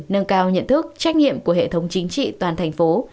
nâng cao nhận thức trách nhiệm của hệ thống chính trị toàn thành phố